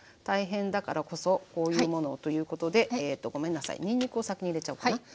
大変だからこそこういうものをということでええとごめんなさいにんにくを先に入れちゃおうかな。